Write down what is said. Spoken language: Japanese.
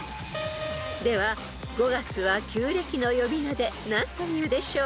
［では５月は旧暦の呼び名で何というでしょう？］